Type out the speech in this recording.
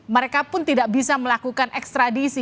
mereka pun tidak bisa melakukan ekstradisi